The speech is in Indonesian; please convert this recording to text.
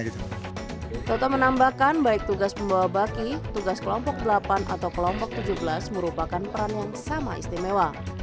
toto menambahkan baik tugas pembawa baki tugas kelompok delapan atau kelompok tujuh belas merupakan peran yang sama istimewa